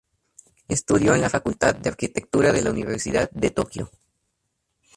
Estudió en la facultad de arquitectura de la Universidad de Tokio.